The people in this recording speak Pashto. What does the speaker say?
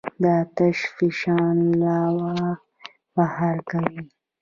د آتش فشان لاوا بهر کوي.